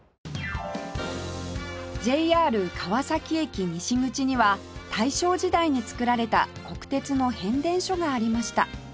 ＪＲ 川崎駅西口には大正時代に造られた国鉄の変電所がありました